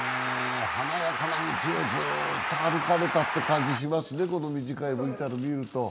華やかな道をずっと歩かれたという気がしますね、この短いＶＴＲを見ますと。